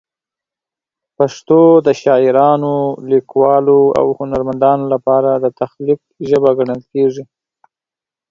پښتو د شاعرانو، لیکوالو او هنرمندانو لپاره د تخلیق ژبه ګڼل کېږي.